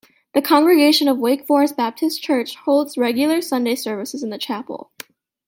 The congregation of Wake Forest Baptist Church holds regular Sunday services in the chapel.